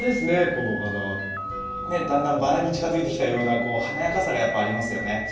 ねっだんだんバラに近づいてきたような華やかさがやっぱありますよね。